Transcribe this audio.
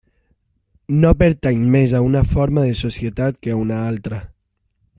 No pertany més a una forma de societat que a una altra.